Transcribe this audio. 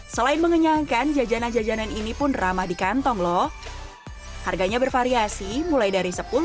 selain mengenyangkan jajanan jajanan ini pun ramah di kantong loh harganya bervariasi mulai dari